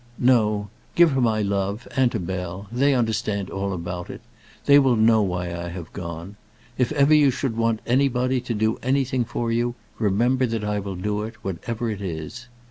"No. Give her my love, and to Bell. They understand all about it. They will know why I have gone. If ever you should want anybody to do anything for you, remember that I will do it, whatever it is."